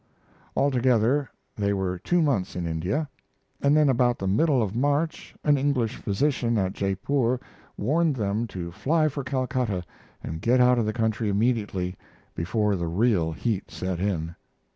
Altogether they were two months in India, and then about the middle of March an English physician at Jeypore warned them to fly for Calcutta and get out of the country immediately before the real heat set in.